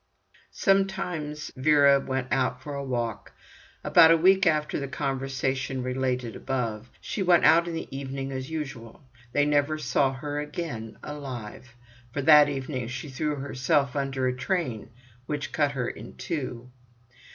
Sometimes Vera went out for a walk. About a week after the conversation related above, she went out in the evening as usual. They never saw her again alive, for that evening she threw herself under a train, which cut her in two.